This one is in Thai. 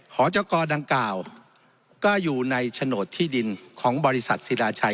หจกดังกล่าวก็อยู่ในโฉนดที่ดินของบริษัทศิลาชัย